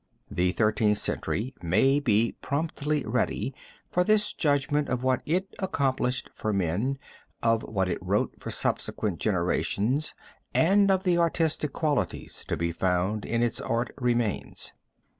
The Thirteenth Century may be promptly ready for this judgment of what it accomplished for men, of what it wrote for subsequent generations, and of the artistic qualities to be found in its art remains.